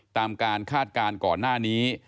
ตามการคาดการณ์ก่อนหน้านี้